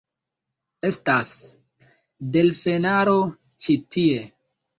Estas... delfenaro ĉi tie.